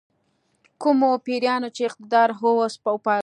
کومو پیریانو چې اقتدار هوس وپاللو.